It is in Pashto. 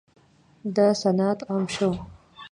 دا صنعت عام شو.